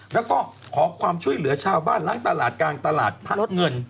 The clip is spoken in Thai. แล้วก็ขอความช่วยเหลือชาวบ้านล้างตลาดกลางตลาดพัดรถเงิน